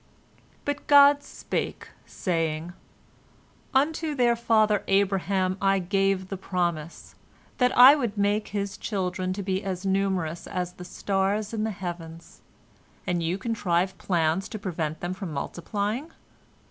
But God spake, saying: "Unto their father Abraham I gave the promise, that I would make his children to be as numerous as the stars in the heavens, and you contrive plans to prevent them from multiplying.